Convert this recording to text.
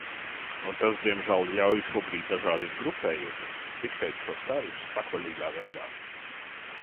Un tas diemžēl ļauj šobrīd dažādiem grupējumiem diktēt šos tarifus patvaļīgā veidā.